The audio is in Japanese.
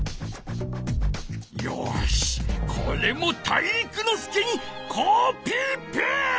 よしこれも体育ノ介にコピペ！